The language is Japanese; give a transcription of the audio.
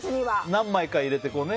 何枚か入れてね。